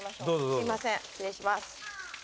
すいません失礼します。